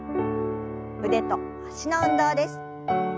腕と脚の運動です。